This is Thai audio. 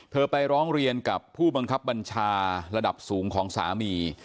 ไปร้องเรียนกับผู้บังคับบัญชาระดับสูงของสามี